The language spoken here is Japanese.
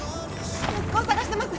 息子を捜してます！